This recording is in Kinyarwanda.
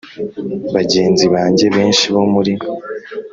bagenzi banjye benshi bo muri